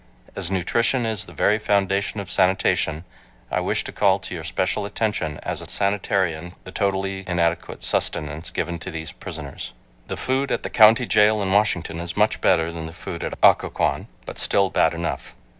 As nutrition is the very foundation of sanitation, I wish to call to your special attention, as a sanitation, the totally inadequate sustenance given to these prisoners. The food at the county jail at Washington is much better than the food at Occoquan, but still bad enough.